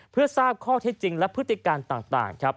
เพื่อทราบข้อเท็จจริงและพฤติการต่างครับ